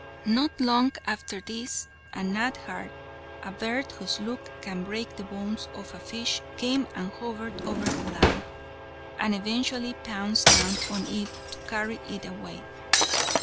Not long after this a nadhar, a bird whose look can break the bones of a fish, came and hovered over the lamb, and eventually pounced down on it to carry it away.